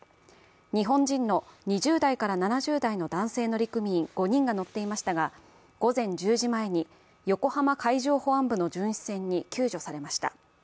日本人の２０代から７０代の男性乗組員５人が乗っていましたが、午前１０時前に横浜海上保安部の巡視船に救助されました。